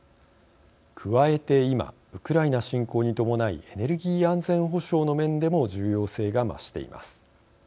加えて今、ウクライナ侵攻に伴いエネルギー安全保障の面でも重要性が増しています。